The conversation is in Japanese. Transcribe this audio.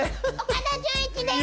岡田准一です。